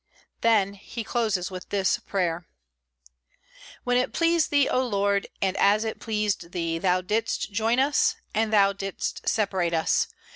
Then he closes with this prayer: "When it pleased Thee, O Lord, and as it pleased Thee, Thou didst join us, and Thou didst separate us.